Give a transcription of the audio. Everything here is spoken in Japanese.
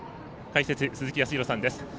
解説、鈴木康弘さんです。